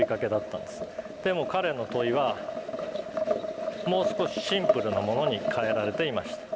でも彼の問いはもう少しシンプルなものに替えられていました。